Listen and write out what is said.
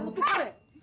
aku tukar ya